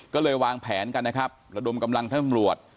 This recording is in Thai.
ก็เลยวางแผนกันนะครับระดมกำลังทั้งตำรวจ